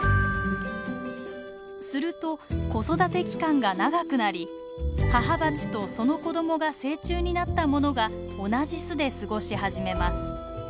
すると子育て期間が長くなり母バチとその子供が成虫になったものが同じ巣で過ごし始めます。